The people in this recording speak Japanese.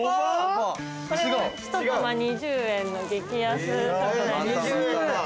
これをひと玉２０円の激安。